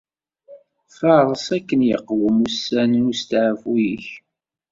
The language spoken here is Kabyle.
Faṛes akken iqwem ussan n usteɛfu-k.